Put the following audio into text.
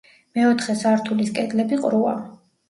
მეოთხე სართულის კედლები ყრუა.